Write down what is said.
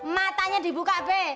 matanya dibuka be